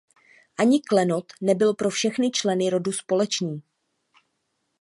Ani klenot nebyl pro všechny členy rodu společný.